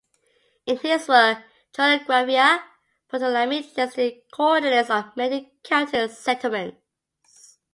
In his work "Geographia", Ptolemy listed the coordinates of many Celtic settlements.